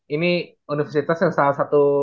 ini universitas yang salah satu